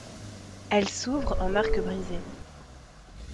Elle s'ouvre en arc brisé.